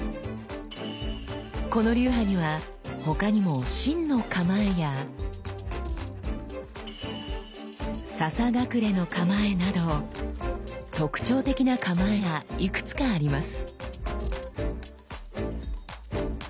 この流派には他にも「真の構え」や「笹隠れの構え」など特徴的な構えがいくつかあります。